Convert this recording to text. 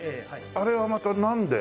あれはまたなんで？